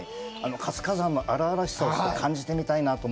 活火山の荒々しさを感じてみたいなと思